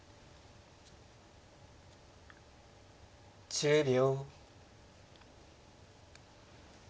１０秒。